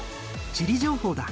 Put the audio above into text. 地理情報だ。